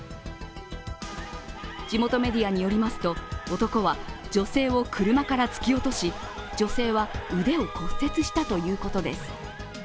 地元メディアによりますと、男は女性を車から突き落とし女性は腕を骨折したということです。